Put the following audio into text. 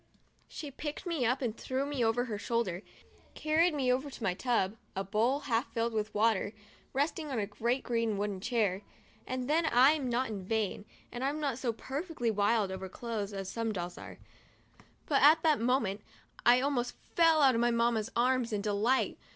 She picked me up and threw me over her shoulder, carried me over to my tub — a bowl half filled with water — resting on a great green wooden chair, and then — I'm not vain, and I'm not so perfectly wild over clothes as some dolls are ; but at that moment I almost fell out of my Mamma's arms, in my delight.